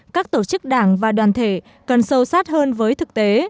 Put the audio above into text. các tổ chức đảng và đoàn thể cần sâu sát hơn với thực tế